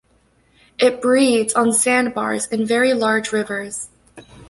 It breeds on sandbars in very large rivers.